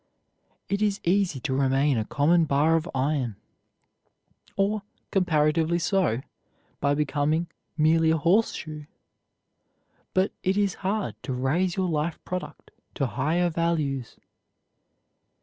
It is easy to remain a common bar of iron, or comparatively so, by becoming merely a horseshoe; but it is hard to raise your life product to higher values.